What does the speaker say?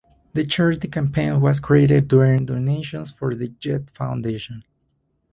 The charity campaign was created to earn donations for The Jed Foundation.